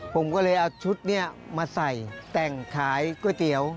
ผมก็เลยเอาชุดนี้มาใส่แต่งขายก๋วยเตี๋ยว